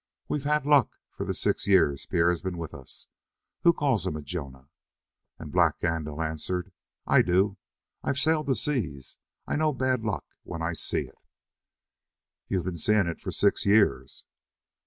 We've had luck for the six years Pierre has been with us. Who calls him a Jonah?" And Black Gandil answered: "I do. I've sailed the seas. I know bad luck when I see it." "You've been seeing it for six years."